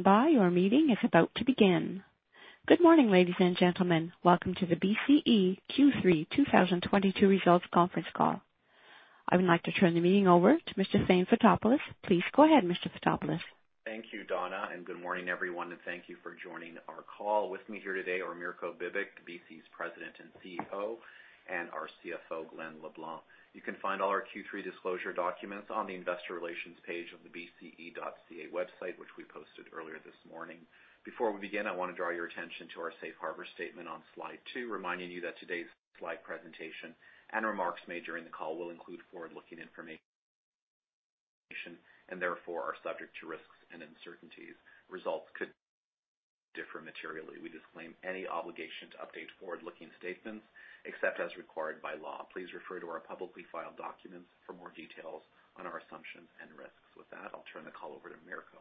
Please stand by. Your meeting is about to begin. Good morning, ladies and gentlemen. Welcome to the BCE Q3 2022 results conference call. I would like to turn the meeting over to Mr. Thane Fotopoulos. Please go ahead, Mr. Fotopoulos. Thank you, Donna, and good morning everyone, and thank you for joining our call. With me here today are Mirko Bibic, BCE's President and CEO, and our CFO, Glen LeBlanc. You can find all our Q3 disclosure documents on the investor relations page of the bce.ca website, which we posted earlier this morning. Before we begin, I wanna draw your attention to our safe harbor statement on slide two, reminding you that today's slide presentation and remarks made during the call will include forward-looking information and therefore are subject to risks and uncertainties. Results could differ materially. We disclaim any obligation to update forward-looking statements except as required by law. Please refer to our publicly filed documents for more details on our assumptions and risks. With that, I'll turn the call over to Mirko.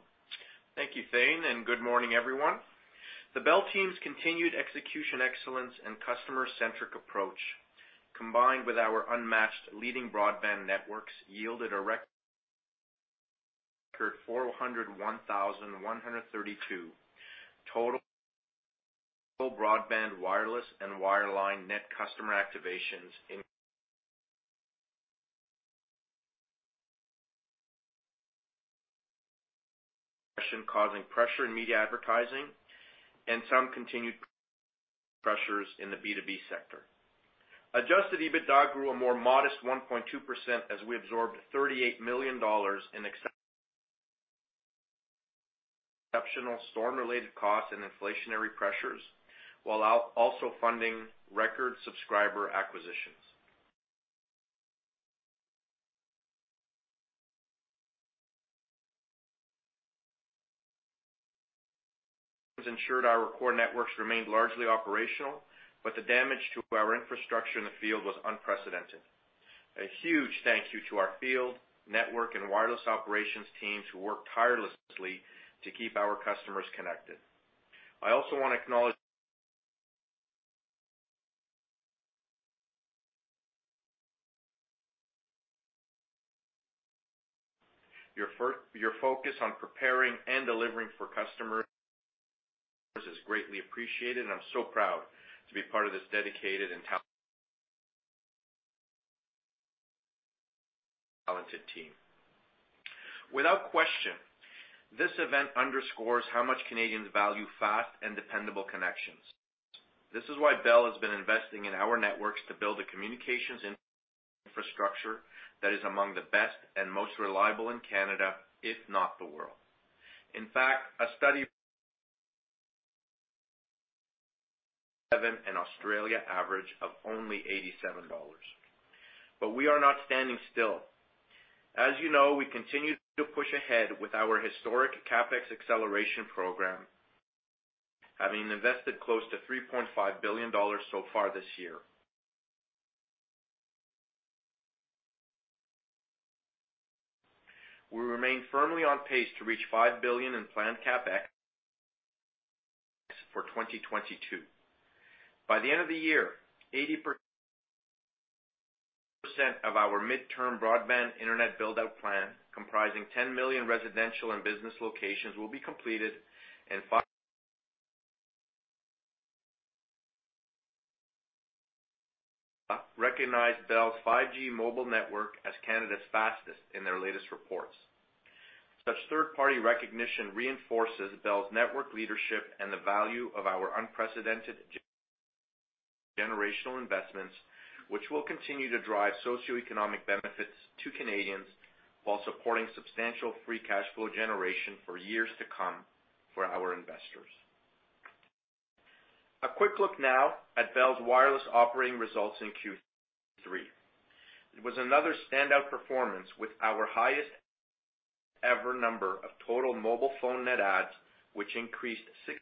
Thank you, Thane, and good morning, everyone. The Bell team's continued execution excellence and customer-centric approach, combined with our unmatched leading broadband networks, yielded a record 401,132 total broadband, wireless and wireline net customer activations, incurring pressure in media advertising and some continued pressures in the B2B sector. Adjusted EBITDA grew a more modest 1.2% as we absorbed 38 million dollars in exceptional storm-related costs and inflationary pressures, while also funding record subscriber acquisitions. Ensured our core networks remained largely operational, but the damage to our infrastructure in the field was unprecedented. A huge thank you to our field, network and wireless operations teams who work tirelessly to keep our customers connected. I also want to acknowledge. Your focus on preparing and delivering for customers is greatly appreciated, and I'm so proud to be part of this dedicated and talented team. Without question, this event underscores how much Canadians value fast and dependable connections. This is why Bell has been investing in our networks to build a communications infrastructure that is among the best and most reliable in Canada, if not the world. In fact, a study and Australia average of only 87 dollars. We are not standing still. As you know, we continue to push ahead with our historic CapEx acceleration program, having invested close to 3.5 billion dollars so far this year. We remain firmly on pace to reach 5 billion in planned CapEx for 2022. By the end of the year, 80% of our midterm broadband internet build-out plan, comprising 10 million residential and business locations, will be completed. Recognized Bell's 5G mobile network as Canada's fastest in their latest reports. Such third-party recognition reinforces Bell's network leadership and the value of our unprecedented generational investments, which will continue to drive socioeconomic benefits to Canadians while supporting substantial free cash flow generation for years to come for our investors. A quick look now at Bell's wireless operating results in Q3. It was another standout performance with our highest ever number of total mobile phone net adds, which increased 64%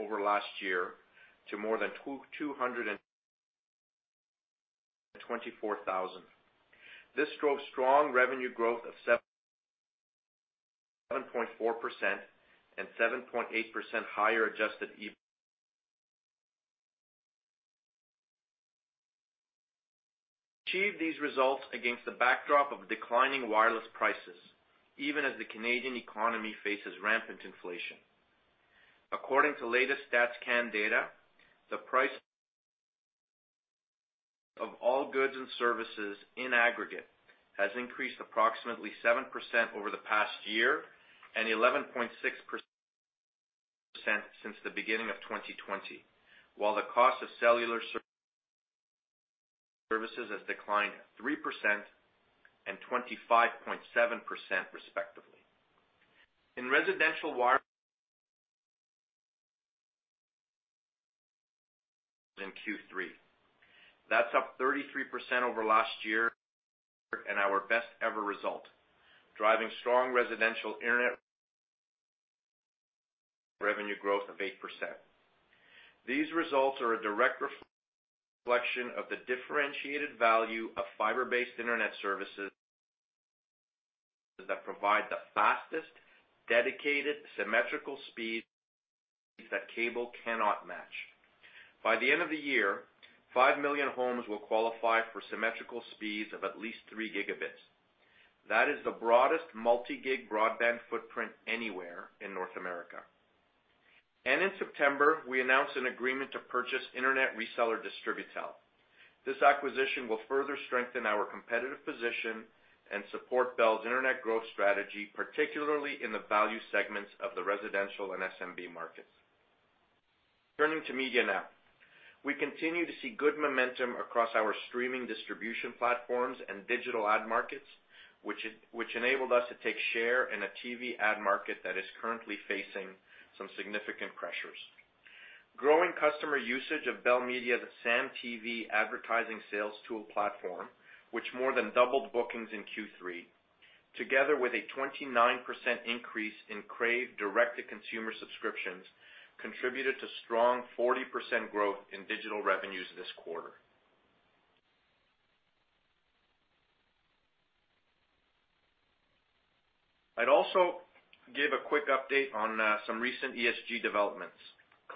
over last year to more than 224,000. This drove strong revenue growth of 7.4% and 7.8% higher adjusted EBIT. Achieved these results against the backdrop of declining wireless prices, even as the Canadian economy faces rampant inflation. According to latest Stats Can data, the price of all goods and services in aggregate has increased approximately 7% over the past year and 11.6% since the beginning of 2020, while the cost of cellular services has declined at 3% and 25.7% respectively. In residential wireline in Q3. That's up 33% over last year and our best ever result, driving strong residential internet revenue growth of 8%. These results are a direct reflection of the differentiated value of fiber-based internet services that provide the fastest, dedicated, symmetrical speeds that cable cannot match. By the end of the year, 5 million homes will qualify for symmetrical speeds of at least 3 Gbps. That is the broadest multi-gig broadband footprint anywhere in North America. In September, we announced an agreement to purchase internet reseller, Distributel. This acquisition will further strengthen our competitive position and support Bell's internet growth strategy, particularly in the value segments of the residential and SMB markets. Turning to media now. We continue to see good momentum across our streaming distribution platforms and digital ad markets, which enabled us to take share in a TV ad market that is currently facing some significant pressures. Growing customer usage of Bell Media's SAM TV advertising sales tool platform, which more than doubled bookings in Q3, together with a 29% increase in Crave direct-to-consumer subscriptions, contributed to strong 40% growth in digital revenues this quarter. I'd also give a quick update on some recent ESG developments.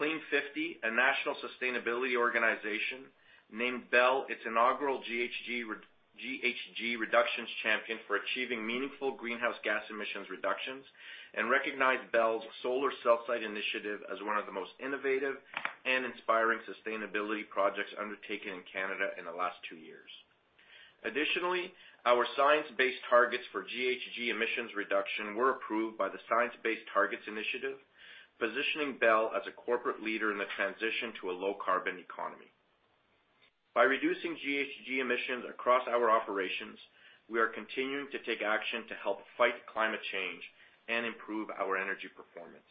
Clean50, a national sustainability organization, named Bell its inaugural GHG reductions champion for achieving meaningful greenhouse gas emissions reductions and recognized Bell's solar cell site initiative as one of the most innovative and inspiring sustainability projects undertaken in Canada in the last two years. Additionally, our science-based targets for GHG emissions reduction were approved by the Science Based Targets initiative, positioning Bell as a corporate leader in the transition to a low carbon economy. By reducing GHG emissions across our operations, we are continuing to take action to help fight climate change and improve our energy performance.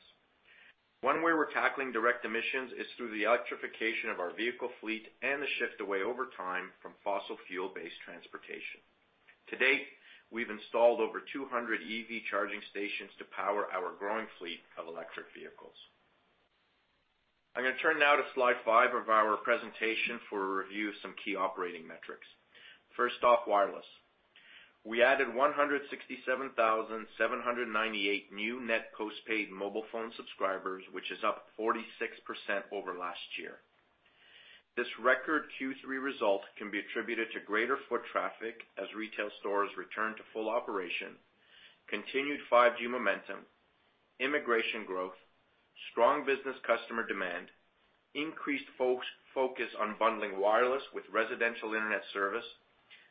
One way we're tackling direct emissions is through the electrification of our vehicle fleet and the shift away over time from fossil fuel-based transportation. To date, we've installed over 200 EV charging stations to power our growing fleet of electric vehicles. I'm gonna turn now to slide five of our presentation for a review of some key operating metrics. First off, wireless. We added 167,798 new net postpaid mobile phone subscribers, which is up 46% over last year. This record Q3 result can be attributed to greater foot traffic as retail stores return to full operation, continued 5G momentum, immigration growth, strong business customer demand, increased focus on bundling wireless with residential internet service,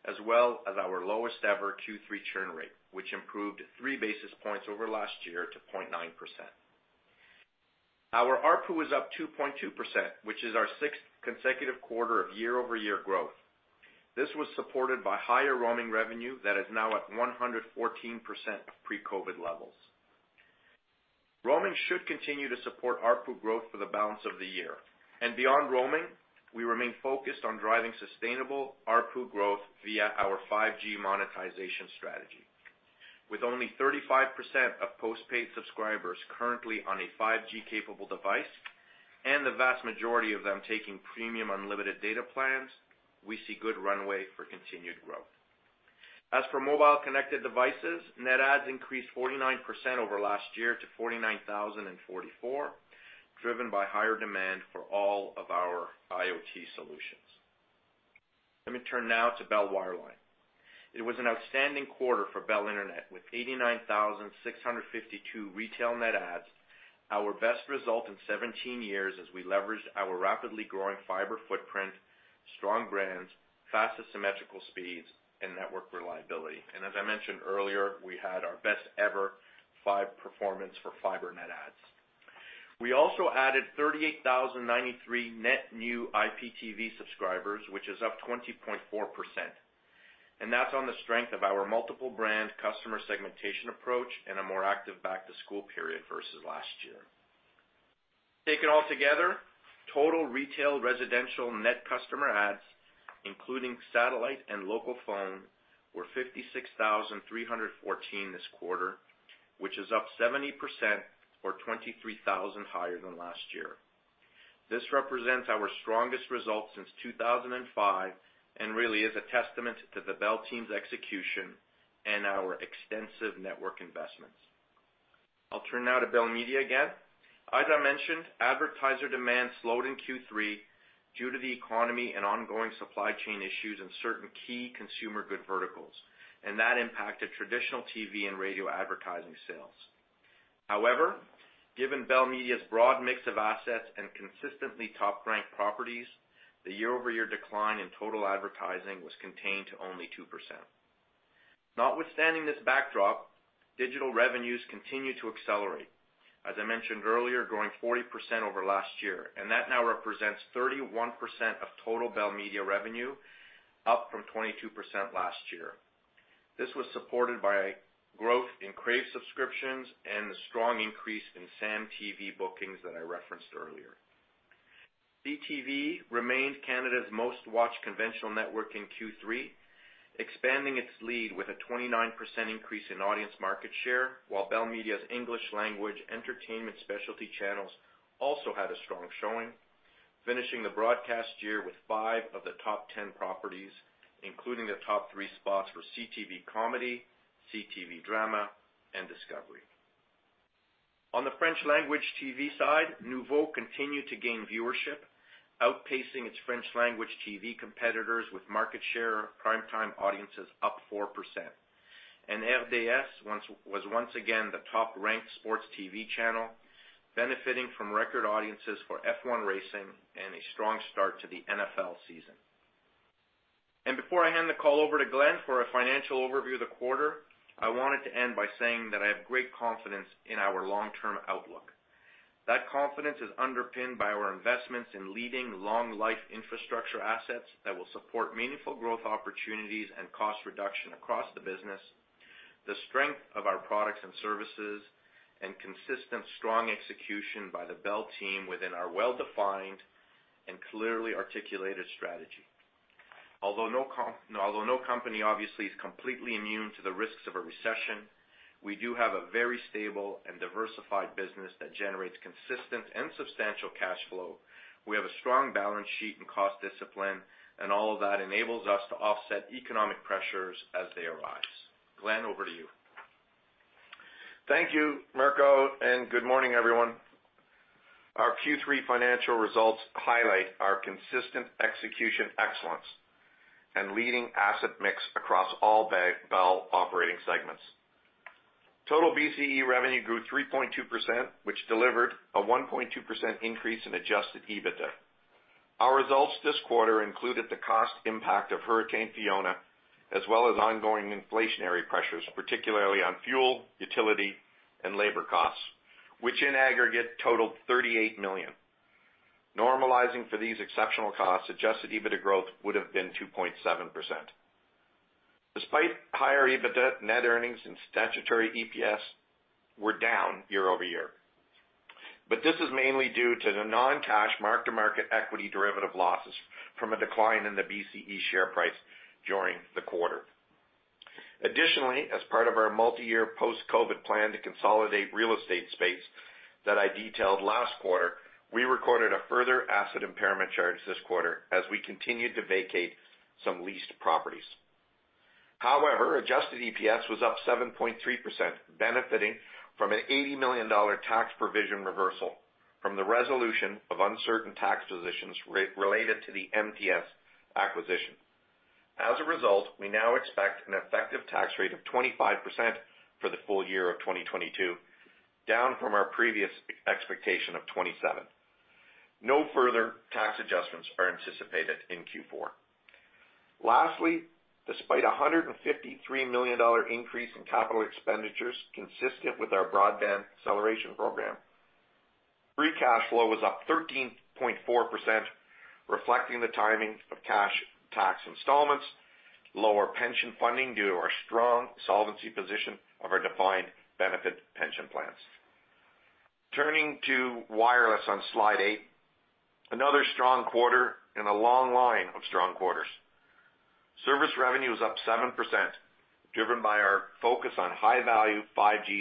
as well as our lowest ever Q3 churn rate, which improved three basis points over last year to 0.9%. Our ARPU was up 2.2%, which is our sixth consecutive quarter of year-over-year growth. This was supported by higher roaming revenue that is now at 114% of pre-COVID levels. Roaming should continue to support ARPU growth for the balance of the year, and beyond roaming, we remain focused on driving sustainable ARPU growth via our 5G monetization strategy. With only 35% of postpaid subscribers currently on a 5G capable device, and the vast majority of them taking premium unlimited data plans, we see good runway for continued growth. As for mobile connected devices, net adds increased 49% over last year to 49,044, driven by higher demand for all of our IoT solutions. Let me turn now to Bell Wireline. It was an outstanding quarter for Bell Internet, with 89,652 retail net adds, our best result in 17 years as we leveraged our rapidly growing fiber footprint, strong brands, fastest symmetrical speeds and network reliability. As I mentioned earlier, we had our best ever fiber performance for fiber net adds. We also added 38,093 net new IPTV subscribers, which is up 20.4%. That's on the strength of our multiple brand customer segmentation approach and a more active back-to-school period versus last year. Taken all together, total retail residential net customer adds, including satellite and local phone, were 56,314 this quarter, which is up 70% or 23,000 higher than last year. This represents our strongest result since 2005 and really is a testament to the Bell team's execution and our extensive network investments. I'll turn now to Bell Media again. As I mentioned, advertiser demand slowed in Q3 due to the economy and ongoing supply chain issues in certain key consumer good verticals, and that impacted traditional TV and radio advertising sales. However, given Bell Media's broad mix of assets and consistently top-ranked properties, the year-over-year decline in total advertising was contained to only 2%. Notwithstanding this backdrop, digital revenues continue to accelerate. As I mentioned earlier, growing 40% over last year, and that now represents 31% of total Bell Media revenue, up from 22% last year. This was supported by growth in Crave subscriptions and the strong increase in SAM TV bookings that I referenced earlier. CTV remained Canada's most watched conventional network in Q3, expanding its lead with a 29% increase in audience market share, while Bell Media's English language entertainment specialty channels also had a strong showing. Finishing the broadcast year with five of the top 10 properties, including the top three spots for CTV Comedy, CTV Drama, and Discovery. On the French language TV side, Noovo continued to gain viewership, outpacing its French language TV competitors with market share primetime audiences up 4%. RDS was once again the top-ranked sports TV channel, benefiting from record audiences for F1 racing and a strong start to the NFL season. Before I hand the call over to Glenn for a financial overview of the quarter, I wanted to end by saying that I have great confidence in our long-term outlook. That confidence is underpinned by our investments in leading long life infrastructure assets that will support meaningful growth opportunities and cost reduction across the business, the strength of our products and services, and consistent strong execution by the Bell team within our well-defined and clearly articulated strategy. Although no company obviously is completely immune to the risks of a recession, we do have a very stable and diversified business that generates consistent and substantial cash flow. We have a strong balance sheet and cost discipline, and all of that enables us to offset economic pressures as they arise. Glen, over to you. Thank you, Mirko, and good morning, everyone. Our Q3 financial results highlight our consistent execution excellence and leading asset mix across all BCE-Bell operating segments. Total BCE revenue grew 3.2%, which delivered a 1.2% increase in Adjusted EBITDA. Our results this quarter included the cost impact of Hurricane Fiona as well as ongoing inflationary pressures, particularly on fuel, utility, and labor costs, which in aggregate totaled 38 million. Normalizing for these exceptional costs, Adjusted EBITDA growth would have been 2.7%. Despite higher EBITDA, net earnings and statutory EPS were down year-over-year. This is mainly due to the non-cash mark-to-market equity derivative losses from a decline in the BCE share price during the quarter. Additionally, as part of our multi-year post-COVID plan to consolidate real estate space that I detailed last quarter, we recorded a further asset impairment charge this quarter as we continued to vacate some leased properties. However, adjusted EPS was up 7.3%, benefiting from a 80 million dollar tax provision reversal from the resolution of uncertain tax positions re-related to the MTS acquisition. As a result, we now expect an effective tax rate of 25% for the full year of 2022, down from our previous expectation of 27. No further tax adjustments are anticipated in Q4. Lastly, despite a 153 million dollar increase in capital expenditures consistent with our broadband acceleration program, free cash flow was up 13.4%, reflecting the timing of cash tax installments, lower pension funding due to our strong solvency position of our defined benefit pension plans. Turning to wireless on slide eight, another strong quarter in a long line of strong quarters. Service revenue is up 7%, driven by our focus on high-value 5G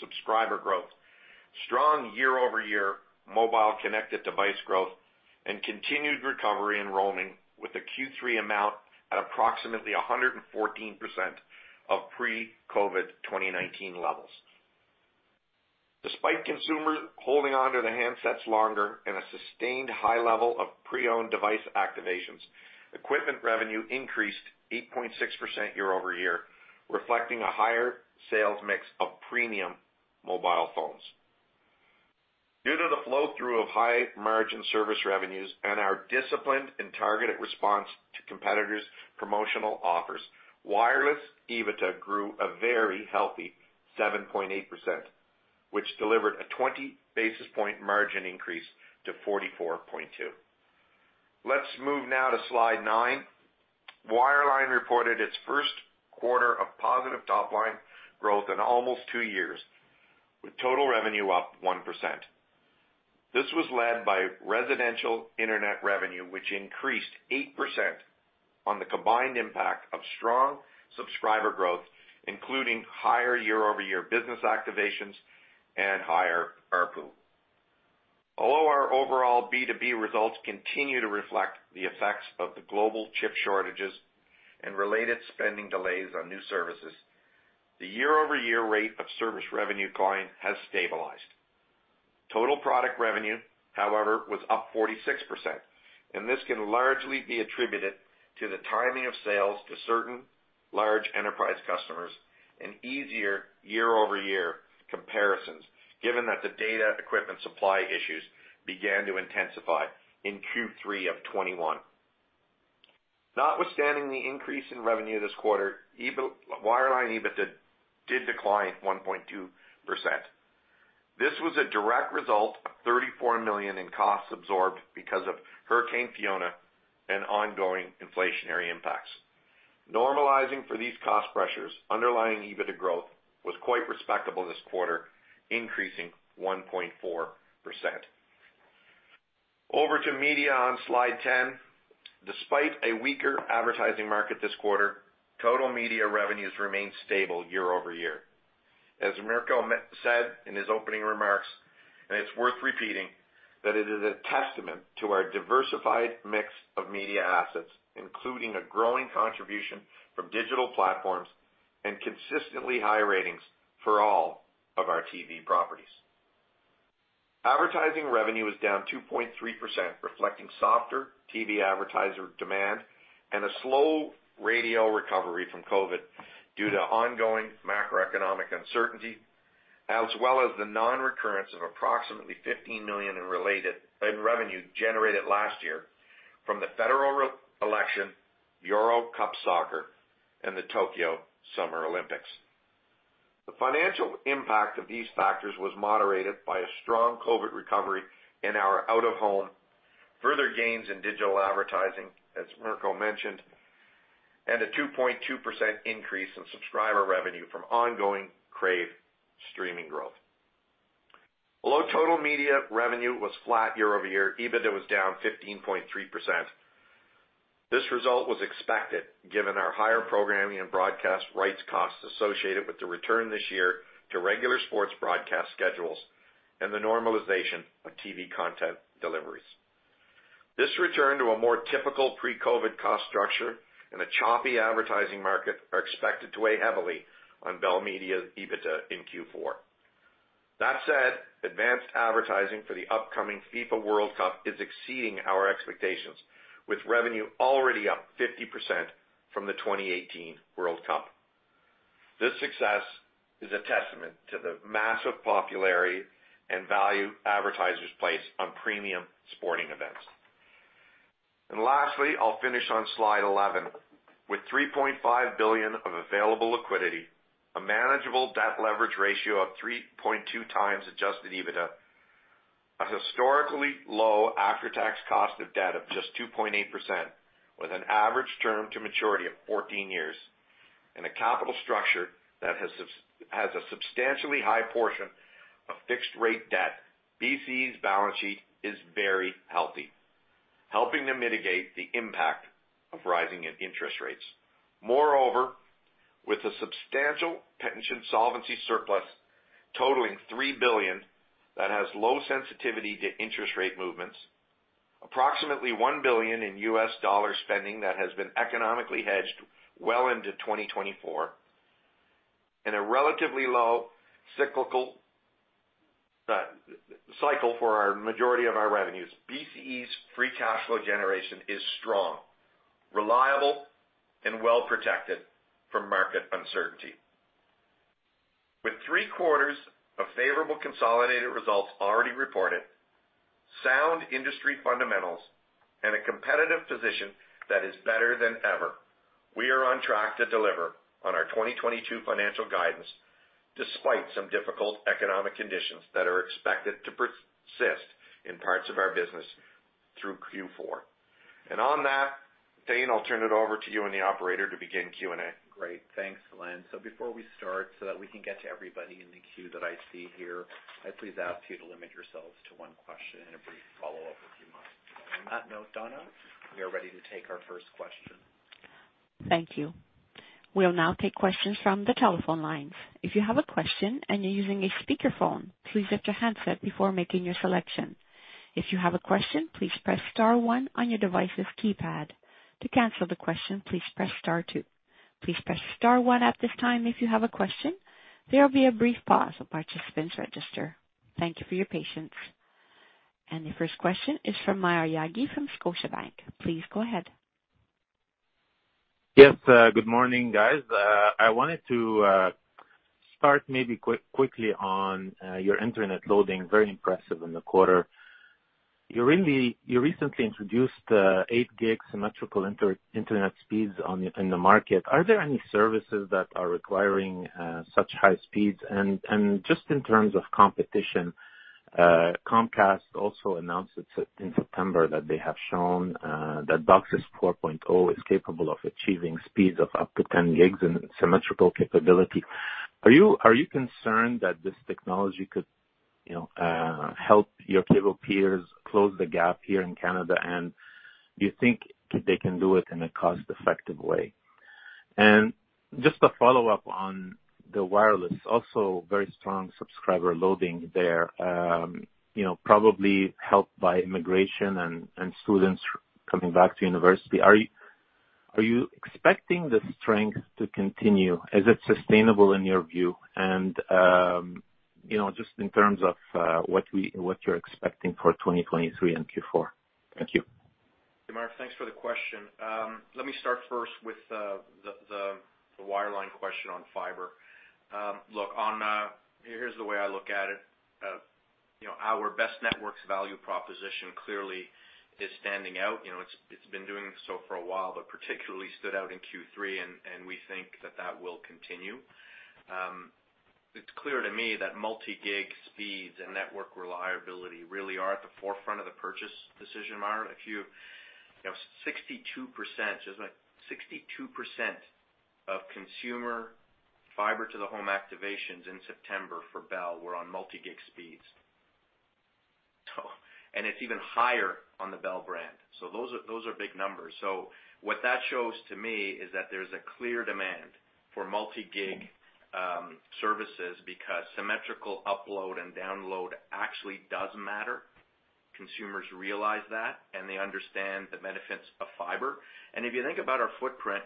subscriber growth, strong year-over-year mobile connected device growth, and continued recovery in roaming with a Q3 amount at approximately 114% of pre-COVID 2019 levels. Despite consumers holding onto the handsets longer and a sustained high level of pre-owned device activations, equipment revenue increased 8.6% year-over-year, reflecting a higher sales mix of premium mobile phones. Due to the flow-through of high margin service revenues and our disciplined and targeted response to competitors' promotional offers, wireless EBITDA grew a very healthy 7.8%, which delivered a 20 basis point margin increase to 44.2. Let's move now to slide nine. Wireline reported its first quarter of positive top line growth in almost two years, with total revenue up 1%. This was led by residential internet revenue, which increased 8% on the combined impact of strong subscriber growth, including higher year-over-year business activations and higher ARPU. Although our overall B2B results continue to reflect the effects of the global chip shortages and related spending delays on new services, the year-over-year rate of service revenue decline has stabilized. Total product revenue, however, was up 46%, and this can largely be attributed to the timing of sales to certain large enterprise customers and easier year-over-year comparisons, given that the data equipment supply issues began to intensify in Q3 of 2021. Notwithstanding the increase in revenue this quarter, EBITDA, wireline EBITDA did decline 1.2%. This was a direct result of 34 million in costs absorbed because of Hurricane Fiona and ongoing inflationary impacts. Normalizing for these cost pressures, underlying EBITDA growth was quite respectable this quarter, increasing 1.4%. Over to media on slide 10. Despite a weaker advertising market this quarter, total media revenues remained stable year-over-year. As Mirko Bibic said in his opening remarks, and it's worth repeating, that it is a testament to our diversified mix of media assets, including a growing contribution from digital platforms and consistently high ratings for all of our TV properties. Advertising revenue is down 2.3%, reflecting softer TV advertiser demand and a slow radio recovery from COVID due to ongoing macroeconomic uncertainty, as well as the non-recurrence of approximately 15 million in related revenue generated last year from the federal re-election, UEFA Euro 2020, and Tokyo 2020. The financial impact of these factors was moderated by a strong COVID recovery in our out-of-home, further gains in digital advertising, as Mirko mentioned, and a 2.2% increase in subscriber revenue from ongoing Crave streaming growth. Although total media revenue was flat year-over-year, EBITDA was down 15.3%. This result was expected given our higher programming and broadcast rights costs associated with the return this year to regular sports broadcast schedules and the normalization of TV content deliveries. This return to a more typical pre-COVID cost structure and a choppy advertising market are expected to weigh heavily on Bell Media's EBITDA in Q4. That said, advanced advertising for the upcoming FIFA World Cup is exceeding our expectations, with revenue already up 50% from the 2018 World Cup. This success is a testament to the massive popularity and value advertisers place on premium sporting events. Lastly, I'll finish on slide 11. With 3.5 billion of available liquidity, a manageable debt leverage ratio of 3.2 times Adjusted EBITDA, a historically low after-tax cost of debt of just 2.8% with an average term to maturity of 14 years, and a capital structure that has a substantially high portion of fixed rate debt, BCE's balance sheet is very healthy, helping to mitigate the impact of rising interest rates. Moreover, with a substantial pension solvency surplus totaling 3 billion that has low sensitivity to interest rate movements, approximately $1 billion in US dollar spending that has been economically hedged well into 2024, and a relatively low cyclicality for the majority of our revenues, BCE's free cash flow generation is strong, reliable, and well protected from market uncertainty. With three-quarters of favorable consolidated results already reported, sound industry fundamentals and a competitive position that is better than ever, we are on track to deliver on our 2022 financial guidance, despite some difficult economic conditions that are expected to persist in parts of our business through Q4. On that, Thane, I'll turn it over to you and the operator to begin Q&A. Great. Thanks, Glen. Before we start, so that we can get to everybody in the queue that I see here, I'd please ask you to limit yourselves to one question and a brief follow-up if you must. On that note, Donna, we are ready to take our first question. Thank you. We'll now take questions from the telephone lines. If you have a question and you're using a speakerphone, please mute your handset before making your selection. If you have a question, please press star one on your device's keypad. To cancel the question, please press star two. Please press star one at this time if you have a question. There will be a brief pause while participants register. Thank you for your patience. The first question is from Maher Yaghi from Scotiabank. Please go ahead. Yes, good morning, guys. I wanted to start maybe quickly on your internet loading, very impressive in the quarter. You recently introduced 8 gig symmetrical internet speeds in the market. Are there any services that are requiring such high speeds? Just in terms of competition, Comcast also announced in September that they have shown that DOCSIS 4.0 is capable of achieving speeds of up to 10 gigs in symmetrical capability. Are you concerned that this technology could, you know, help your cable peers close the gap here in Canada? Do you think they can do it in a cost-effective way? Just a follow-up on the wireless, also very strong subscriber loading there, you know, probably helped by immigration and students coming back to university. Are you expecting the strength to continue? Is it sustainable in your view? You know, just in terms of what you're expecting for 2023 and Q4. Thank you. Maher Yaghi, thanks for the question. Let me start first with the wireline question on fiber. Look, here's the way I look at it. You know, our best network's value proposition clearly is standing out. You know, it's been doing so for a while, but particularly stood out in Q3, and we think that will continue. It's clear to me that multi-gig speeds and network reliability really are at the forefront of the purchase decision, Maher Yaghi. If you know, 62%, just 62% of consumer fiber-to-the-home activations in September for Bell were on multi-gig speeds. It's even higher on the Bell brand. Those are big numbers. What that shows to me is that there's a clear demand for multi-gig services because symmetrical upload and download actually does matter. Consumers realize that, and they understand the benefits of fiber. If you think about our footprint,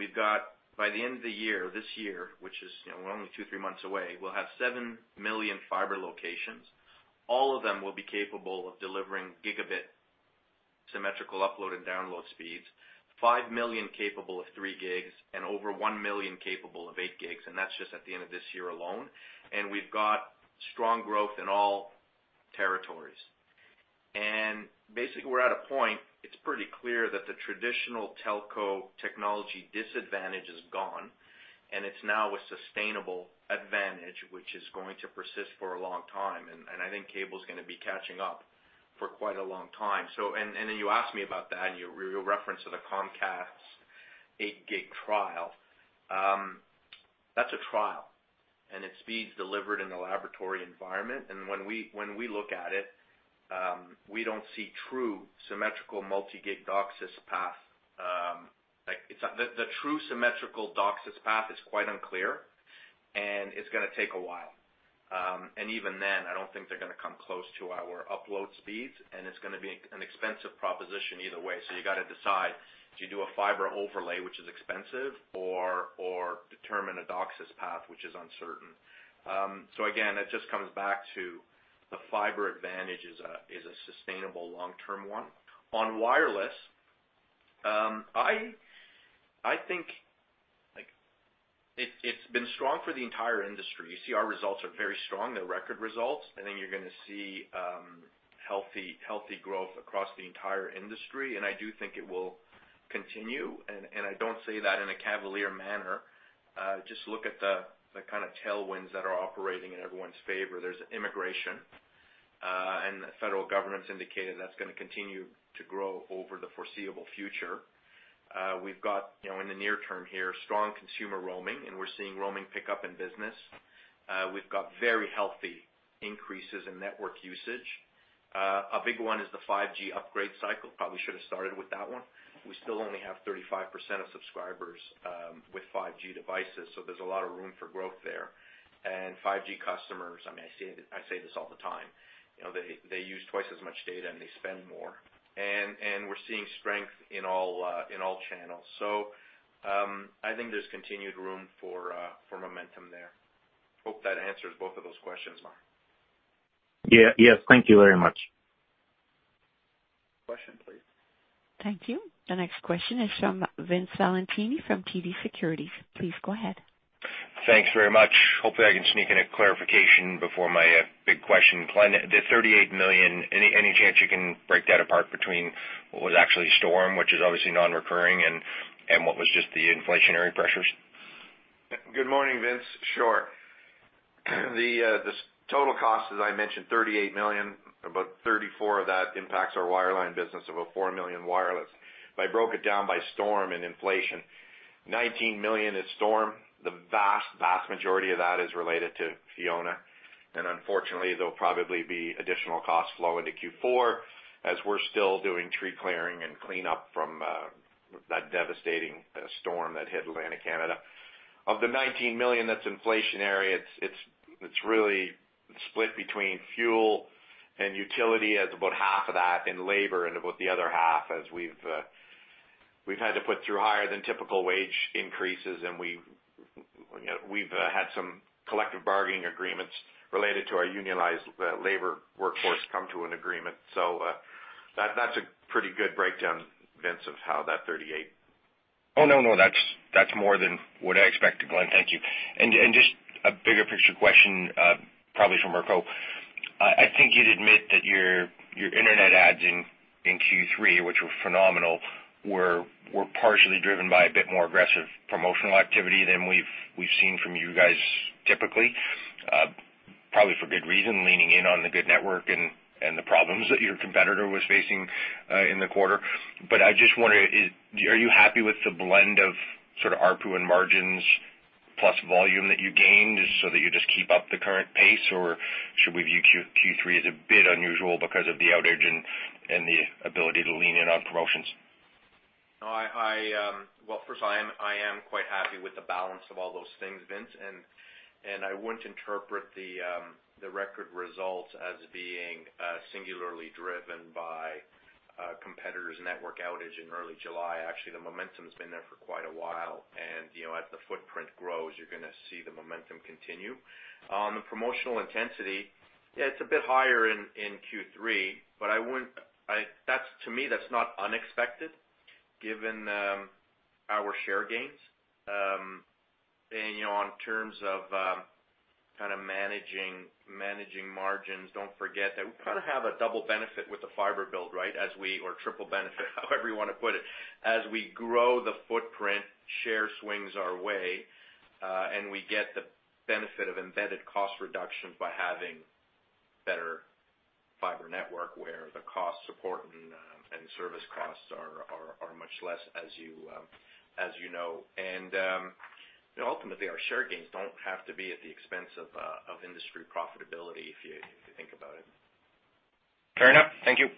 we've got by the end of the year, this year, which is, we're only 2, 3 months away, we'll have 7 million fiber locations. All of them will be capable of delivering gigabit symmetrical upload and download speeds, 5 million capable of 3 gigs and over 1 million capable of 8 gigs, and that's just at the end of this year alone. We've got strong growth in all territories. Basically, we're at a point, it's pretty clear that the traditional telco technology disadvantage is gone, and it's now a sustainable advantage, which is going to persist for a long time. I think cable's gonna be catching up for quite a long time. Then you asked me about that, and you referenced the Comcast 8 gig trial. That's a trial, and it's speeds delivered in a laboratory environment. When we look at it, we don't see true symmetrical multi-gig DOCSIS path. The true symmetrical DOCSIS path is quite unclear, and it's gonna take a while. Even then, I don't think they're gonna come close to our upload speeds, and it's gonna be an expensive proposition either way. You gotta decide, do you do a fiber overlay, which is expensive, or determine a DOCSIS path which is uncertain. Again, it just comes back to the fiber advantage is a sustainable long-term one. On wireless, I think, like, it's been strong for the entire industry. You see our results are very strong. They're record results. I think you're gonna see healthy growth across the entire industry, and I do think it will continue. I don't say that in a cavalier manner. Just look at the kinda tailwinds that are operating in everyone's favor. There's immigration, and the federal government's indicated that's gonna continue to grow over the foreseeable future. We've got, you know, in the near term here, strong consumer roaming, and we're seeing roaming pick up in business. We've got very healthy increases in network usage. A big one is the 5G upgrade cycle. Probably should've started with that one. We still only have 35% of subscribers with 5G devices, so there's a lot of room for growth there. 5G customers, I mean, I say this all the time, you know, they use twice as much data, and they spend more. We're seeing strength in all channels. I think there's continued room for momentum there. Hope that answers both of those questions, Maher. Yeah. Yes. Thank you very much. Question please. Thank you. The next question is from Vince Valentini from TD Securities. Please go ahead. Thanks very much. Hopefully I can sneak in a clarification before my big question. Glen, the 38 million, any chance you can break that apart between what was actually the storm, which is obviously non-recurring, and what was just the inflationary pressures? Good morning, Vince. Sure. The total cost, as I mentioned, 38 million. About 34 of that impacts our wireline business, about 4 million wireless. If I broke it down by storm and inflation, 19 million is storm. The vast majority of that is related to Fiona. Unfortunately, there'll probably be additional costs flow into Q4 as we're still doing tree clearing and cleanup from that devastating storm that hit Atlantic Canada. Of the 19 million that's inflationary, it's really split between fuel and utility, about half of that, and labor, about the other half as we've had to put through higher than typical wage increases, and we've had some collective bargaining agreements related to our unionized labor workforce come to an agreement. That's a pretty good breakdown, Vince, of how that 38- Oh, no, that's more than what I expected, Glen. Thank you. Just a bigger picture question, probably for Mirko. I think you'd admit that your internet ads in Q3, which were phenomenal, were partially driven by a bit more aggressive promotional activity than we've seen from you guys typically. Probably for good reason, leaning in on the good network and the problems that your competitor was facing in the quarter. I just wonder, are you happy with the blend of sort of ARPU and margins plus volume that you gained just so that you just keep up the current pace, or should we view Q3 as a bit unusual because of the outage and the ability to lean in on promotions? No. Well, first, I am quite happy with the balance of all those things, Vince. I wouldn't interpret the record results as being singularly driven by a competitor's network outage in early July. Actually, the momentum's been there for quite a while. You know, as the footprint grows, you're gonna see the momentum continue. On the promotional intensity, yeah, it's a bit higher in Q3, but to me, that's not unexpected given our share gains. You know, in terms of kinda managing margins, don't forget that we kinda have a double benefit with the fiber build, right? Or triple benefit, however you wanna put it. As we grow the footprint, share swings our way, and we get the benefit of embedded cost reductions by having better fiber network where the cost support and service costs are much less as you know. You know, ultimately our share gains don't have to be at the expense of industry profitability if you think about it. Fair enough. Thank you.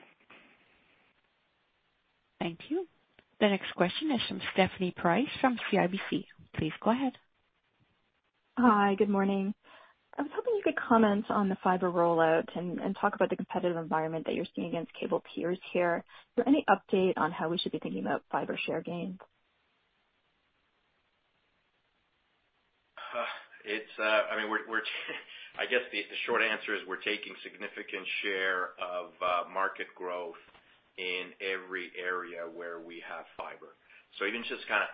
Thank you. The next question is from Stephanie Price from CIBC. Please go ahead. Hi, good morning. I was hoping you could comment on the fiber rollout and talk about the competitive environment that you're seeing against cable peers here. Is there any update on how we should be thinking about fiber share gains? I mean, the short answer is we're taking significant share of market growth in every area where we have fiber. Even just kinda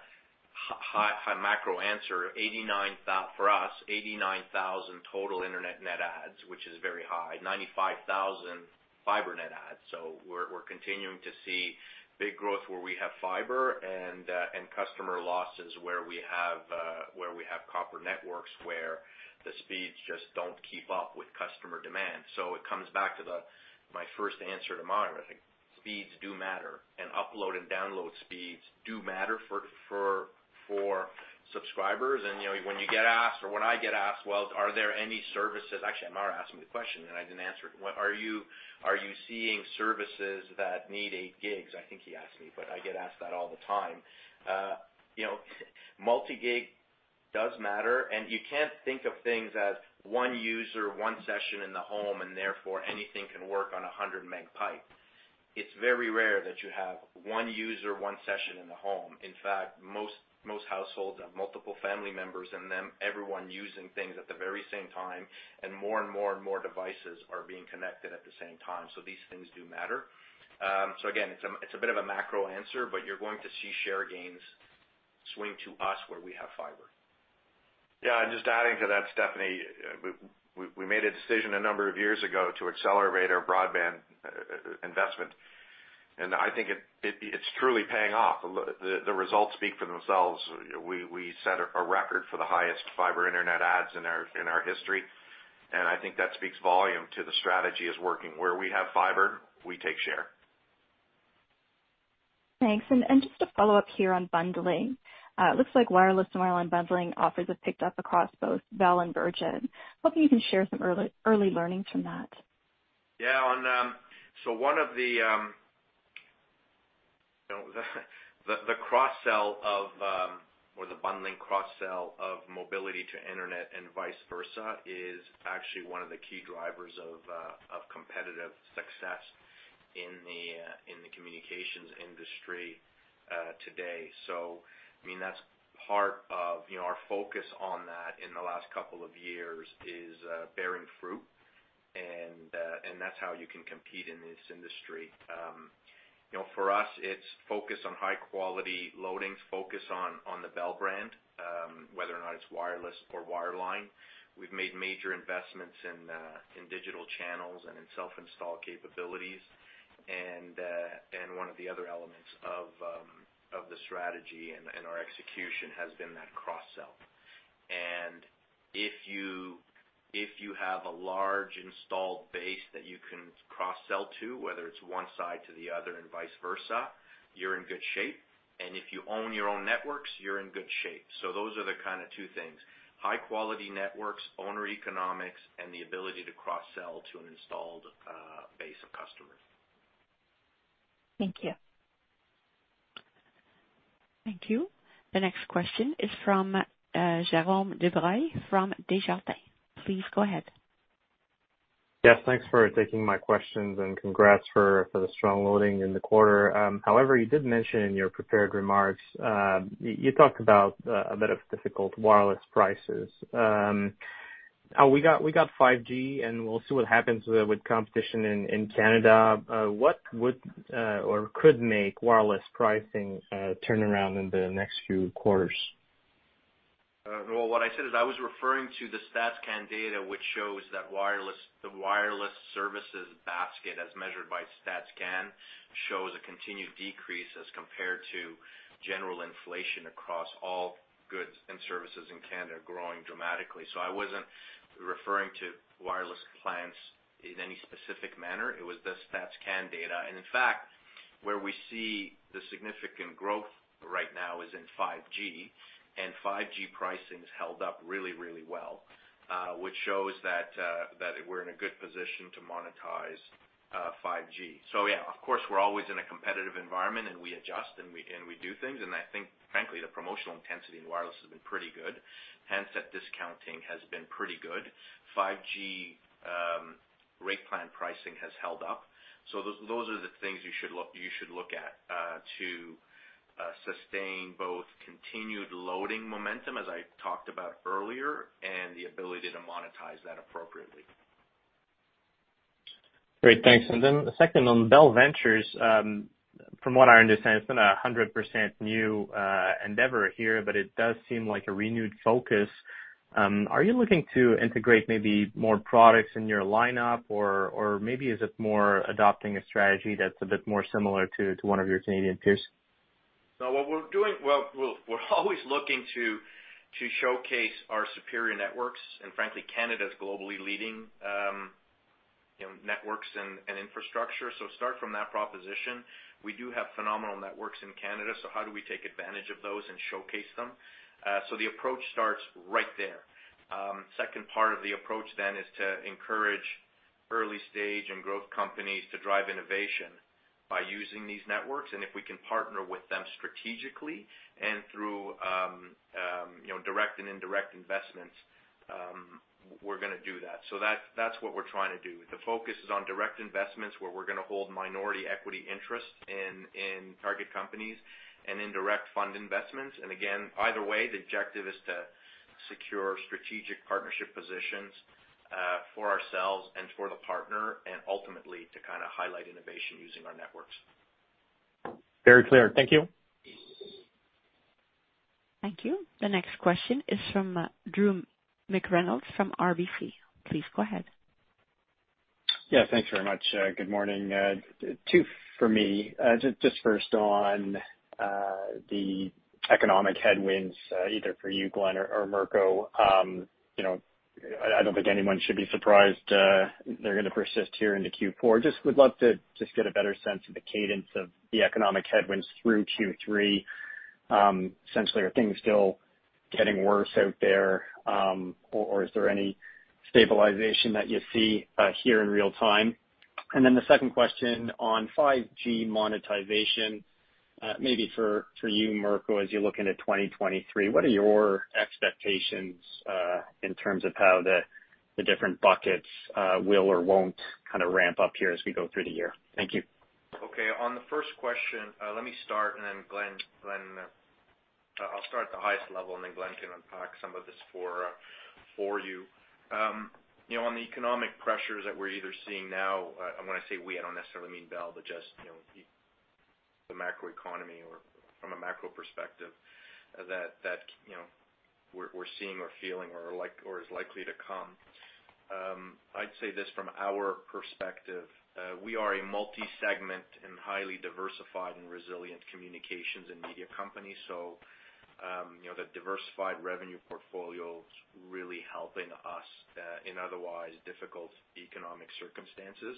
high macro answer, 89,000 total internet net adds for us, which is very high. 95,000 fiber net adds. We're continuing to see big growth where we have fiber and customer losses where we have copper networks where the speeds just don't keep up with customer demand. It comes back to my first answer to Maher. I think speeds do matter, and upload and download speeds do matter for subscribers. You know, when you get asked, or when I get asked, "Well, are there any services?" Actually, Maher asked me the question, and I didn't answer it. What are you seeing services that need 8 gigs? I think he asked me, but I get asked that all the time. You know, multi-gig does matter, and you can't think of things as one user, one session in the home, and therefore anything can work on a 100 meg pipe. It's very rare that you have one user, one session in the home. In fact, most households have multiple family members in them, everyone using things at the very same time, and more and more devices are being connected at the same time. These things do matter. Again, it's a bit of a macro answer, but you're going to see share gains swing to us where we have fiber. Just adding to that, Stephanie, we made a decision a number of years ago to accelerate our broadband investment. I think it's truly paying off. The results speak for themselves. You know, we set a record for the highest fiber internet adds in our history, and I think that speaks volumes to the strategy is working. Where we have fiber, we take share. Thanks. Just a follow-up here on bundling. It looks like wireless and wireline bundling offers have picked up across both Bell and Virgin. Hoping you can share some early learnings from that. Yeah. On so one of you know the cross-sell or the bundling cross-sell of mobility to internet and vice versa is actually one of the key drivers of competitive success in the communications industry today. I mean, that's part of you know our focus on that in the last couple of years is bearing fruit and that's how you can compete in this industry. You know, for us, it's focus on high-quality loading, focus on the Bell brand whether or not it's wireless or wireline. We've made major investments in digital channels and in self-install capabilities. One of the other elements of the strategy and our execution has been that cross-sell. If you have a large installed base that you can cross-sell to, whether it's one side to the other and vice versa, you're in good shape. If you own your own networks, you're in good shape. Those are the kinda two things. High-quality networks, owner economics, and the ability to cross-sell to an installed base of customers. Thank you. Thank you. The next question is from, Jerome Dubreuil from Desjardins. Please go ahead. Yes, thanks for taking my questions, and congrats for the strong loading in the quarter. However, you did mention in your prepared remarks, you talked about a bit of difficult wireless prices. We got 5G, and we'll see what happens with competition in Canada. What would or could make wireless pricing turn around in the next few quarters? What I said is I was referring to the Statistics Canada data, which shows that wireless, the wireless services basket, as measured by Statistics Canada, shows a continued decrease as compared to general inflation across all goods and services in Canada growing dramatically. I wasn't referring to wireless plans in any specific manner. It was the Statistics Canada data. In fact, where we see the significant growth right now is in 5G, and 5G pricing's held up really, really well, which shows that we're in a good position to monetize 5G. Yeah, of course, we're always in a competitive environment, and we adjust, and we do things. I think frankly, the promotional intensity in wireless has been pretty good. Handset discounting has been pretty good. 5G rate plan pricing has held up. Those are the things you should look at to sustain both continued loading momentum, as I talked about earlier, and the ability to monetize that appropriately. Great, thanks. The second on Bell Ventures. From what I understand, it's been 100% new endeavor here, but it does seem like a renewed focus. Are you looking to integrate maybe more products in your lineup or maybe is it more adopting a strategy that's a bit more similar to one of your Canadian peers? What we're doing is we're always looking to showcase our superior networks, and frankly, Canada's globally leading, you know, networks and infrastructure. We start from that proposition. We do have phenomenal networks in Canada, so how do we take advantage of those and showcase them? The approach starts right there. Second part of the approach then is to encourage early stage and growth companies to drive innovation by using these networks. If we can partner with them strategically and through, you know, direct and indirect investments, we're gonna do that. That's what we're trying to do. The focus is on direct investments, where we're gonna hold minority equity interest in target companies and indirect fund investments. Again, either way, the objective is to secure strategic partnership positions for ourselves and for the partner and ultimately to kinda highlight innovation using our networks. Very clear. Thank you. Thank you. The next question is from Drew McReynolds from RBC. Please go ahead. Yeah, thanks very much. Good morning. Two for me. Just first on the economic headwinds, either for you, Glen or Mirko. You know, I don't think anyone should be surprised, they're gonna persist here into Q4. Just would love to just get a better sense of the cadence of the economic headwinds through Q3. Essentially, are things still getting worse out there, or is there any stabilization that you see here in real time? The second question on 5G monetization, maybe for you, Mirko, as you're looking at 2023, what are your expectations in terms of how the different buckets will or won't kinda ramp up here as we go through the year? Thank you. Okay. On the first question, let me start, and then Glen. I'll start at the highest level, and then Glen can unpack some of this for you. You know, on the economic pressures that we're either seeing now, and when I say we, I don't necessarily mean Bell, but just, you know, the macro economy or from a macro perspective that, you know, we're seeing or feeling or like, or is likely to come. I'd say this from our perspective, we are a multi-segment and highly diversified and resilient communications and media company. You know, the diversified revenue portfolio's really helping us, in otherwise difficult economic circumstances.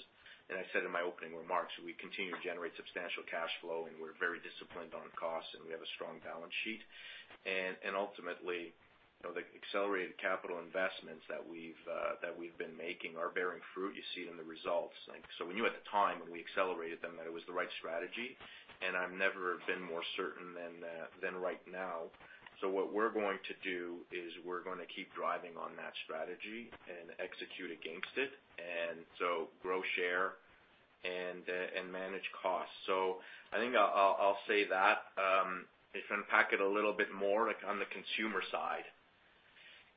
I said in my opening remarks, we continue to generate substantial cash flow, and we're very disciplined on costs, and we have a strong balance sheet. Ultimately, you know, the accelerated capital investments that we've been making are bearing fruit, you see it in the results. We knew at the time when we accelerated them that it was the right strategy, and I've never been more certain than right now. What we're going to do is we're gonna keep driving on that strategy and execute against it, and so grow share and manage costs. I think I'll say that. If I unpack it a little bit more, like on the consumer side,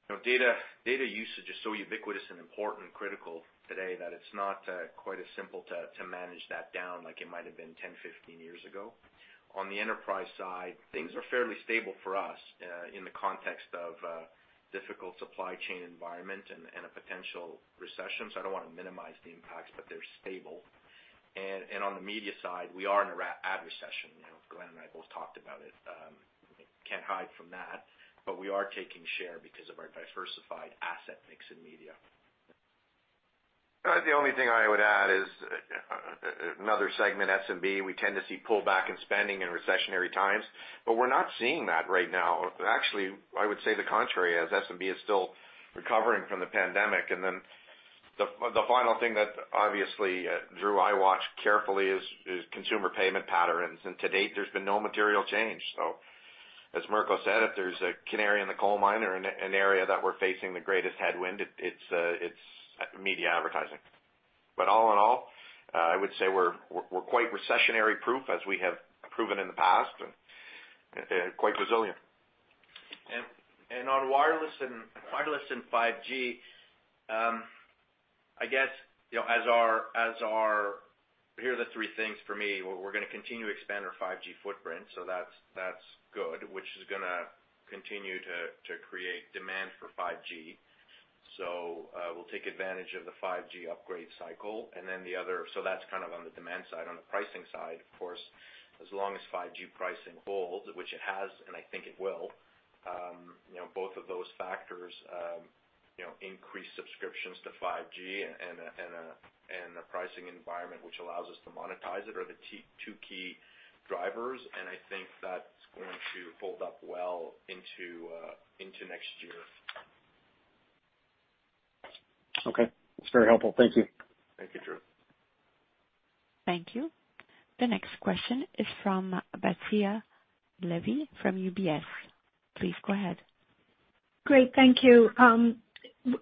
you know, data usage is so ubiquitous and important and critical today that it's not quite as simple to manage that down like it might have been 10, 15 years ago. On the enterprise side, things are fairly stable for us, in the context of a difficult supply chain environment and a potential recession, so I don't wanna minimize the impacts, but they're stable. On the media side, we are in an ad recession. You know, Glenn and I both talked about it, can't hide from that, but we are taking share because of our diversified asset mix in media. The only thing I would add is another segment, SMB. We tend to see pullback in spending in recessionary times, but we're not seeing that right now. Actually, I would say the contrary, as SMB is still recovering from the pandemic. Then the final thing that obviously, Drew, I watch carefully is consumer payment patterns. To date, there's been no material change. As Mirko said, if there's a canary in the coal mine or an area that we're facing the greatest headwind, it's media advertising. All in all, I would say we're quite recession-proof as we have proven in the past, and quite resilient. On wireless and 5G, I guess, you know. Here are the three things for me. We're gonna continue to expand our 5G footprint, so that's good, which is gonna continue to create demand for 5G. We'll take advantage of the 5G upgrade cycle. That's kind of on the demand side. On the pricing side, of course, as long as 5G pricing holds, which it has, and I think it will, you know, both of those factors, you know, increase subscriptions to 5G and a pricing environment which allows us to monetize it are the two key drivers. I think that's going to hold up well into next year. Okay. That's very helpful. Thank you. Thank you, Drew. Thank you. The next question is from Batya Levi from UBS. Please go ahead. Great. Thank you.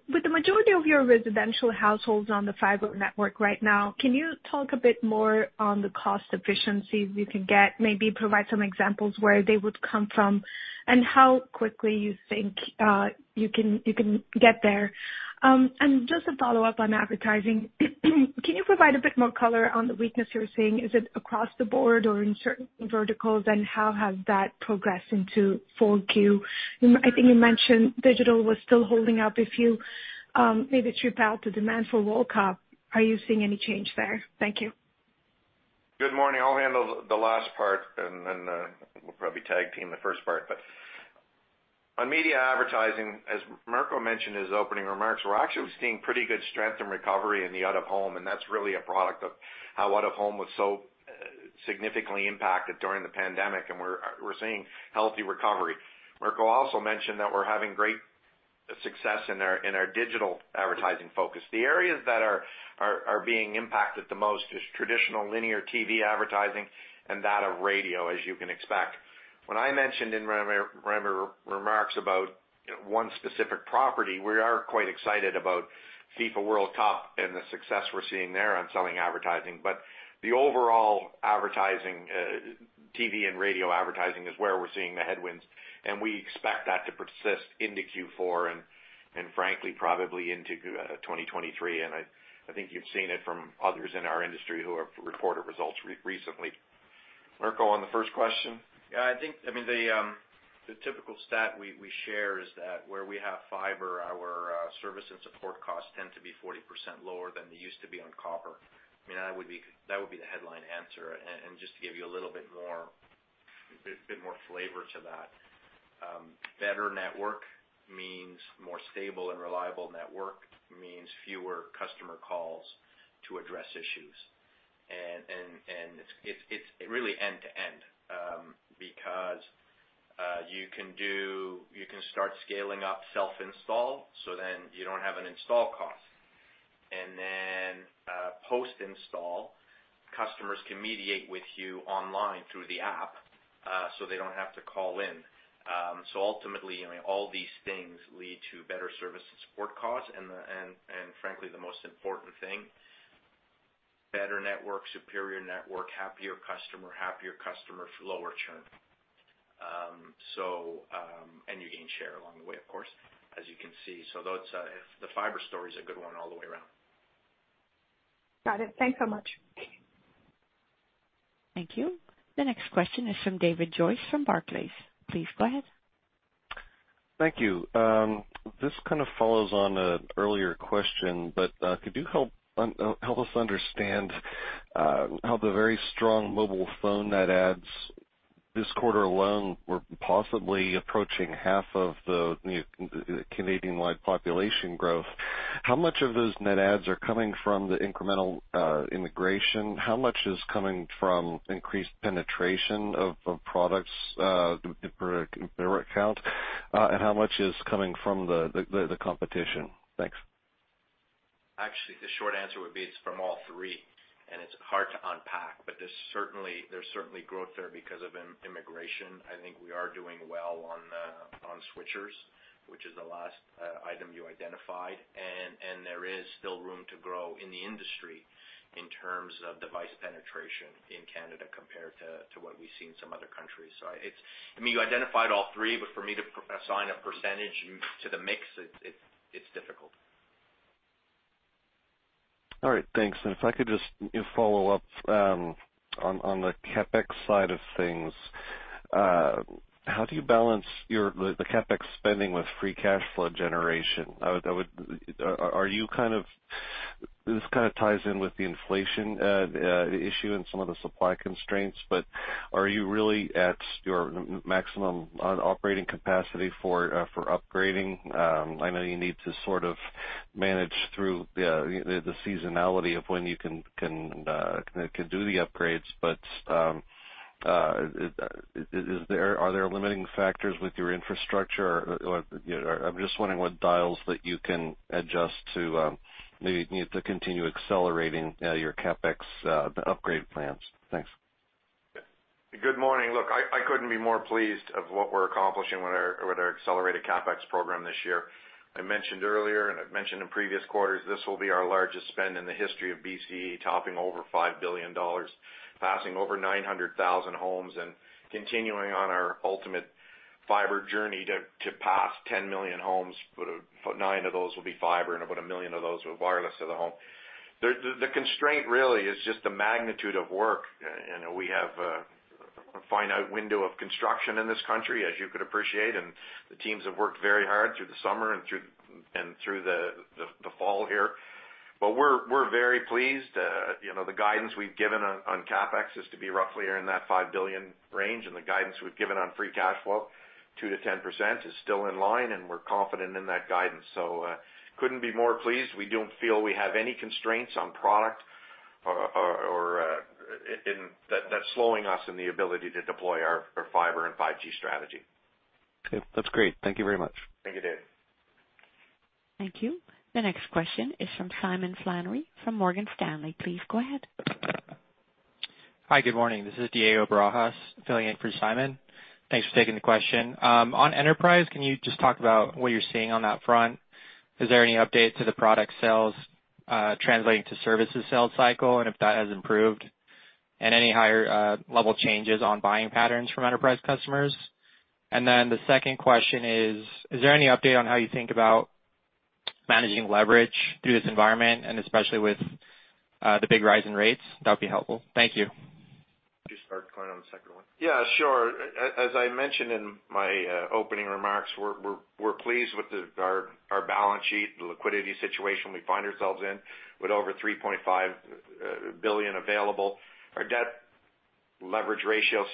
With the majority of your residential households on the fiber network right now, can you talk a bit more on the cost efficiencies you can get, maybe provide some examples where they would come from, and how quickly you think you can get there? Just a follow-up on advertising. Can you provide a bit more color on the weakness you're seeing? Is it across the board or in certain verticals, and how has that progressed into 4Q? I think you mentioned digital was still holding up. If you maybe strip out the demand for World Cup, are you seeing any change there? Thank you. Good morning. I'll handle the last part, and then we'll probably tag team the first part. On media advertising, as Mirko mentioned in his opening remarks, we're actually seeing pretty good strength and recovery in the out-of-home, and that's really a product of how out-of-home was so significantly impacted during the pandemic, and we're seeing healthy recovery. Mirko also mentioned that we're having great success in our digital advertising focus. The areas that are being impacted the most is traditional linear TV advertising and that of radio, as you can expect. When I mentioned in my remarks about one specific property, we are quite excited about FIFA World Cup and the success we're seeing there on selling advertising. The overall advertising, TV and radio advertising is where we're seeing the headwinds, and we expect that to persist into Q4 and frankly, probably into 2023. I think you've seen it from others in our industry who have reported results recently. Mirko, on the first question. I think, I mean, the typical stat we share is that where we have fiber, our service and support costs tend to be 40% lower than they used to be on copper. I mean, that would be the headline answer. Just to give you a little bit more flavor to that, better network means more stable and reliable network, means fewer customer calls to address issues. It's really end to end, because you can start scaling up self-install, so then you don't have an install cost. Post-install, customers can mediate with you online through the app, so they don't have to call in. Ultimately, I mean, all these things lead to better service and support costs. Frankly, the most important thing, better network, superior network, happier customer, lower churn. You gain share along the way, of course, as you can see. Those, the fiber story is a good one all the way around. Got it. Thanks so much. Thank you. The next question is from David Joyce from Barclays. Please go ahead. Thank you. This kind of follows on an earlier question, but could you help us understand how the very strong mobile phone net adds this quarter alone were possibly approaching half of the Canadian-wide population growth. How much of those net adds are coming from the incremental immigration? How much is coming from increased penetration of products per account? And how much is coming from the competition? Thanks. Actually, the short answer would be it's from all three, and it's hard to unpack, but there's certainly growth there because of immigration. I think we are doing well on switchers, which is the last item you identified, and there is still room to grow in the industry in terms of device penetration in Canada compared to what we've seen in some other countries. I mean, you identified all three, but for me to assign a percentage to the mix, it's difficult. All right. Thanks. If I could just follow up on the CapEx side of things. How do you balance the CapEx spending with free cash flow generation? This kind of ties in with the inflation issue and some of the supply constraints, but are you really at your maximum operating capacity for upgrading? I know you need to sort of manage through the seasonality of when you can do the upgrades, but are there limiting factors with your infrastructure? Or I'm just wondering what dials that you can adjust to maybe to continue accelerating your CapEx upgrade plans. Thanks. Good morning. Look, I couldn't be more pleased of what we're accomplishing with our accelerated CapEx program this year. I mentioned earlier, and I've mentioned in previous quarters, this will be our largest spend in the history of BCE, topping over 5 billion dollars, passing over 900,000 homes and continuing on our ultimate fiber journey to pass 10 million homes, but 9 of those will be fiber and about 1 million of those will be wireless to the home. The constraint really is just the magnitude of work. You know, we have a finite window of construction in this country, as you could appreciate, and the teams have worked very hard through the summer and through the fall here. We're very pleased. You know, the guidance we've given on CapEx is to be roughly in that 5 billion range, and the guidance we've given on free cash flow, 2%-10%, is still in line, and we're confident in that guidance. Couldn't be more pleased. We don't feel we have any constraints on product that's slowing us in the ability to deploy our fiber and 5G strategy. Okay. That's great. Thank you very much. Thank you, David. Thank you. The next question is from Simon Flannery from Morgan Stanley. Please go ahead. Hi, good morning. This is Diego Barajas filling in for Simon Flannery. Thanks for taking the question. On enterprise, can you just talk about what you're seeing on that front? Is there any update to the product sales translating to services sales cycle, and if that has improved? Any higher level changes on buying patterns from enterprise customers? The second question is there any update on how you think about managing leverage through this environment and especially with the big rise in rates? That would be helpful. Thank you. Could you start, Colin, on the second one? Yeah, sure. As I mentioned in my opening remarks, we're pleased with our balance sheet, the liquidity situation we find ourselves in with over 3.5 billion available. Our debt leverage ratio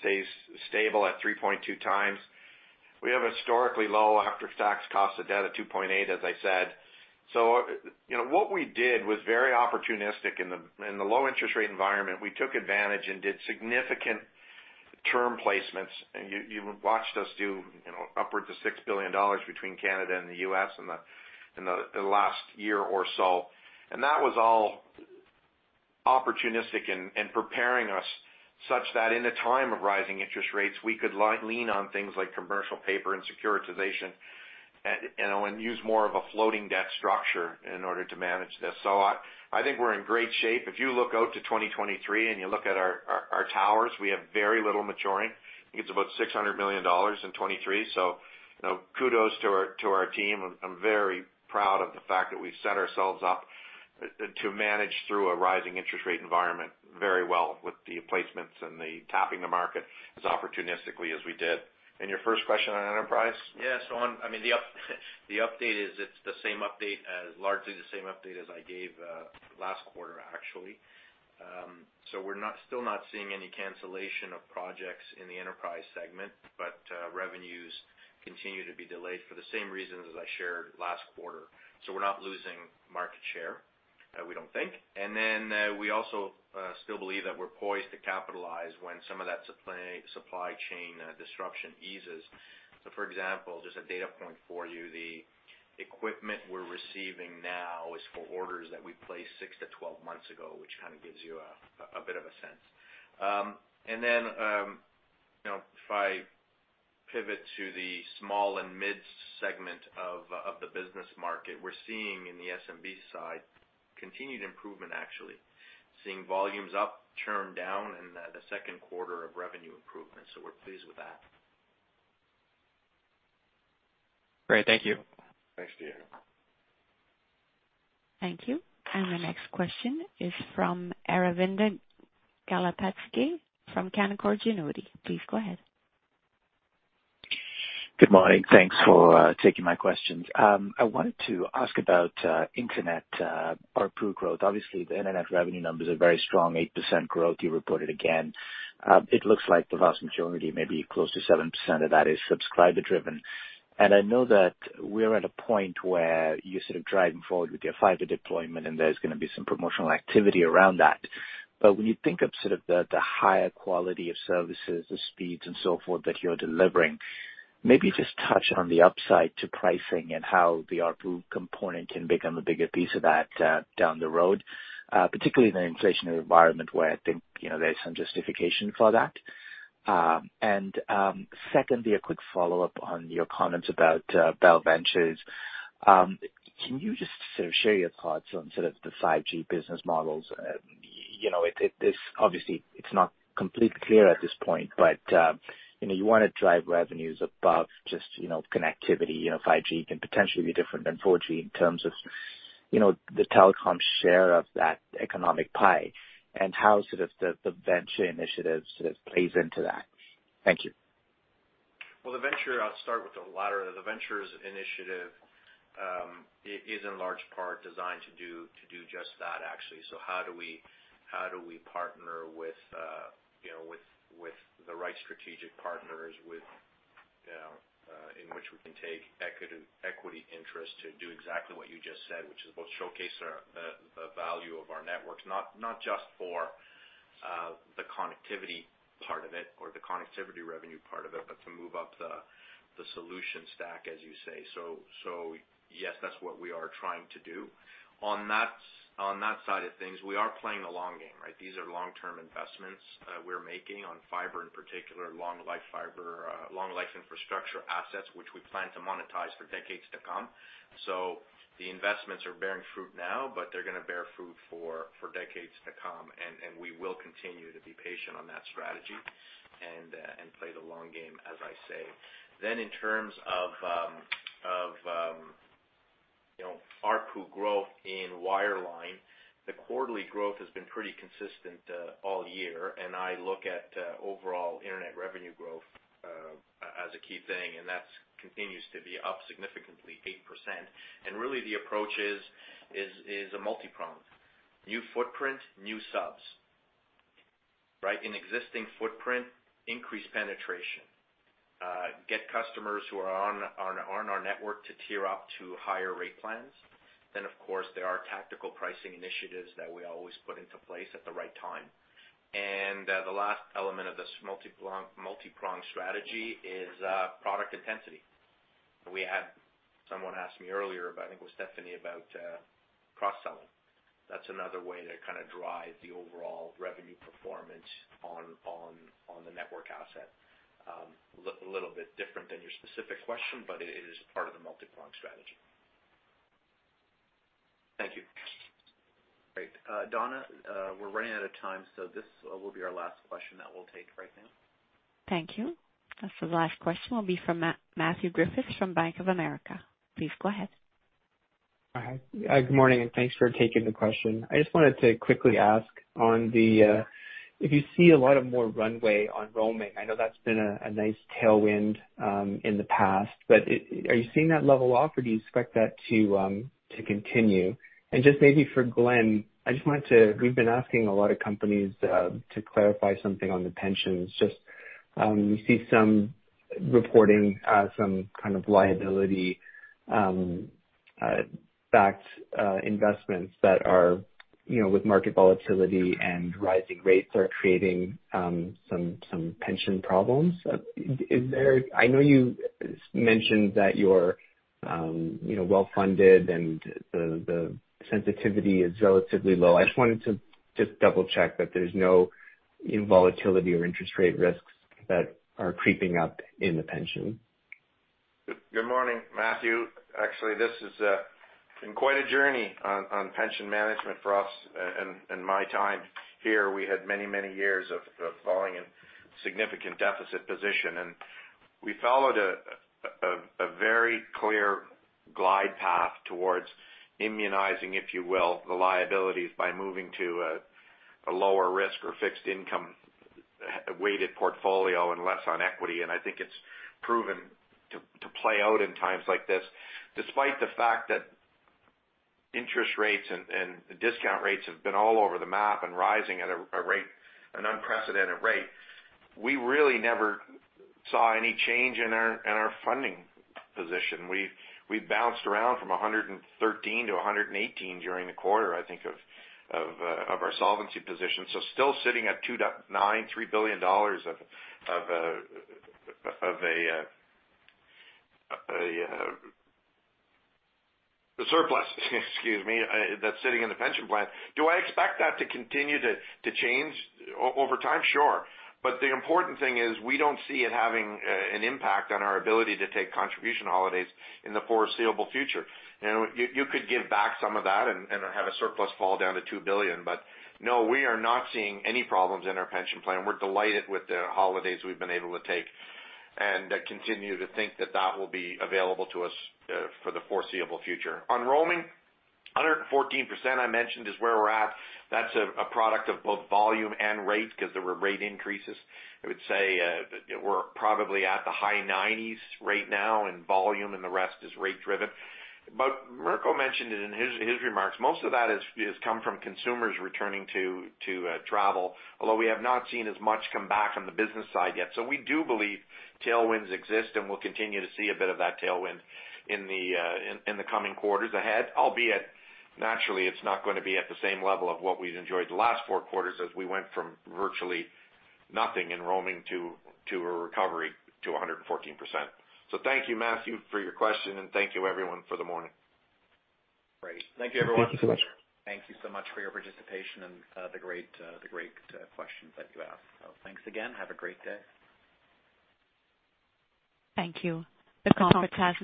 stays stable at 3.2 times. We have historically low after-tax cost of debt at 2.8, as I said. You know, what we did was very opportunistic in the low interest rate environment. We took advantage and did significant term placements, and you watched us do, you know, upwards of 6 billion dollars between Canada and the US in the last year or so. That was all opportunistic and preparing us such that in a time of rising interest rates, we could lean on things like commercial paper and securitization and use more of a floating debt structure in order to manage this. I think we're in great shape. If you look out to 2023, and you look at our towers, we have very little maturing. I think it's about 600 million dollars in 2023. You know, kudos to our team. I'm very proud of the fact that we set ourselves up to manage through a rising interest rate environment very well with the placements and the tapping the market as opportunistically as we did. Your first question on enterprise? I mean, the update is it's the same update as largely the same update as I gave last quarter, actually. We're still not seeing any cancellation of projects in the enterprise segment, but revenues continue to be delayed for the same reasons as I shared last quarter. We're not losing market share, we don't think. We also still believe that we're poised to capitalize when some of that supply chain disruption eases. For example, just a data point for you, the equipment we're receiving now is for orders that we placed 6 to 12 months ago, which kind of gives you a bit of a sense. you know, if I pivot to the small and mid segment of the business market, we're seeing in the SMB side continued improvement, actually. Seeing volumes up, churn down, and the second quarter of revenue improvement. We're pleased with that. Great. Thank you. Thanks, Diego. Thank you. The next question is from Aravinda Galappatthige from Canaccord Genuity. Please go ahead. Good morning. Thanks for taking my questions. I wanted to ask about internet ARPU growth. Obviously, the internet revenue numbers are very strong, 8% growth you reported again. It looks like the vast majority, maybe close to 7% of that is subscriber driven. I know that we're at a point where you're sort of driving forward with your fiber deployment, and there's gonna be some promotional activity around that. When you think of sort of the higher quality of services, the speeds and so forth that you're delivering, maybe just touch on the upside to pricing and how the ARPU component can become a bigger piece of that down the road, particularly in an inflationary environment where I think, you know, there's some justification for that. Secondly, a quick follow-up on your comments about Bell Ventures. Can you just sort of share your thoughts on sort of the 5G business models? You know, it's obviously not completely clear at this point, but you know, you wanna drive revenues above just, you know, connectivity. You know, 5G can potentially be different than 4G in terms of, you know, the telecom share of that economic pie and how sort of the venture initiatives sort of plays into that. Thank you. The venture, I'll start with the latter. The ventures initiative is in large part designed to do just that, actually. How do we partner with you know, with the right strategic partners with you know, in which we can take equity interest to do exactly what you just said, which is both showcase the value of our networks, not just for the connectivity part of it or the connectivity revenue part of it, but to move up the solution stack, as you say. Yes, that's what we are trying to do. On that side of things, we are playing the long game, right? These are long-term investments, we're making on fiber, in particular, long life fiber, long life infrastructure assets, which we plan to monetize for decades to come. The investments are bearing fruit now, but they're gonna bear fruit for decades to come, and we will continue to be patient on that strategy and play the long game, as I say. In terms of, you know, ARPU growth in wireline, the quarterly growth has been pretty consistent, all year, and I look at, overall internet revenue growth, as a key thing, and that's continues to be up significantly 8%. Really the approach is a multi-pronged. New footprint, new subs, right? In existing footprint, increased penetration. Get customers who are on our network to tier up to higher rate plans. Of course, there are tactical pricing initiatives that we always put into place at the right time. The last element of this multi-pronged strategy is product intensity. Someone asked me earlier about, I think it was Stephanie, about cross-selling. That's another way to kind of drive the overall revenue performance on the network asset. Little bit different than your specific question, but it is part of the multi-pronged strategy. Thank you. Great. Donna, we're running out of time, so this will be our last question that we'll take right now. Thank you. The last question will be from Matthew Griffiths from Bank of America. Please go ahead. Hi. Good morning, and thanks for taking the question. I just wanted to quickly ask on the if you see a lot more runway on roaming. I know that's been a nice tailwind in the past, but are you seeing that level off, or do you expect that to continue? Just maybe for Glen, we've been asking a lot of companies to clarify something on the pensions. Just we see some- Reporting some kind of liability-backed investments that are, you know, with market volatility and rising rates are creating some pension problems. I know you mentioned that you're well-funded and the sensitivity is relatively low. I just wanted to double check that there's no volatility or interest rate risks that are creeping up in the pension. Good morning, Matthew. Actually, this is been quite a journey on pension management for us. In my time here, we had many years of falling in significant deficit position. We followed a very clear glide path towards immunizing, if you will, the liabilities by moving to a lower risk or fixed income weighted portfolio and less on equity. I think it's proven to play out in times like this. Despite the fact that interest rates and discount rates have been all over the map and rising at a rate, an unprecedented rate, we really never saw any change in our funding position. We bounced around from 113% to 118% during the quarter, I think of our solvency position. Still sitting at 2.93 billion dollars of a surplus, excuse me, that's sitting in the pension plan. Do I expect that to continue to change over time? Sure. The important thing is we don't see it having an impact on our ability to take contribution holidays in the foreseeable future. You know, you could give back some of that and have a surplus fall down to 2 billion. No, we are not seeing any problems in our pension plan. We're delighted with the holidays we've been able to take and continue to think that that will be available to us for the foreseeable future. On roaming, 114% I mentioned is where we're at. That's a product of both volume and rate because there were rate increases. I would say, we're probably at the high 90s right now in volume, and the rest is rate driven. Mirko mentioned it in his remarks. Most of that has come from consumers returning to travel. Although we have not seen as much come back on the business side yet. We do believe tailwinds exist, and we'll continue to see a bit of that tailwind in the coming quarters ahead. Albeit naturally, it's not gonna be at the same level of what we've enjoyed the last four quarters as we went from virtually nothing in roaming to a recovery to 114%. Thank you, Matthew, for your question, and thank you everyone for the morning. Great. Thank you everyone. Thank you so much for your participation and the great questions that you asked. Thanks again. Have a great day. Thank you. The conference has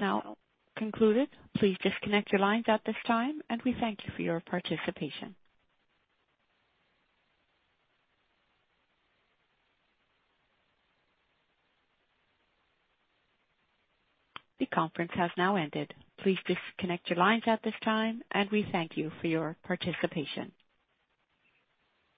now concluded. Please disconnect your lines at this time, and we thank you for your participation. The conference has now ended. Please disconnect your lines at this time, and we thank you for your participation.